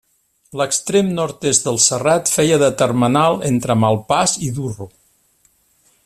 L'extrem nord-est del serrat feia de termenal entre Malpàs i Durro.